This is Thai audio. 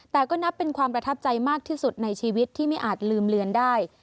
แต่ก็นับเป็นความประทับใจมากที่สุดในชีวิตที่ไม่อาจลืมเลือนได้